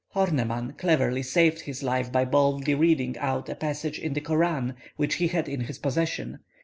Horneman cleverly saved his life by boldly reading out a passage in the Koran which he had in his possession.